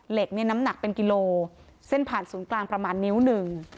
เหล็กเนี่ยน้ำหนักเป็นกิโลเส้นผ่านศูนย์กลางประมาณนิ้วหนึ่ง